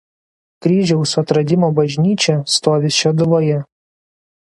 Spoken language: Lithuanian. Kryžiaus Atradimo bažnyčia stovi Šeduvoje.